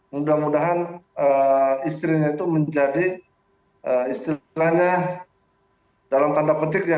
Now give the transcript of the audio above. mudah mudahan istrinya itu menjadi istrinya dalam tanda petik